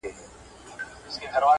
ستا په اړه دغسي خبره راته رسيدلې ده.